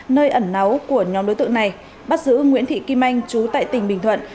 nơi ẩn náu của nhóm đối tượng này bắt giữ nguyễn thị kim anh chú tại tỉnh bình thuận